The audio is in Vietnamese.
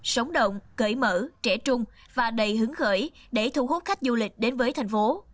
sống động cởi mở trẻ trung và đầy hứng khởi để thu hút khách du lịch đến với thành phố